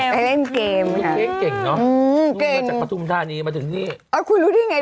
ไปเล่นเกมครับอือเก่ง